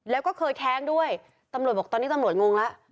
แล้วก็เคยแท้งด้วยตำรวจบอกตอนนี้ตำรวจงงแล้ว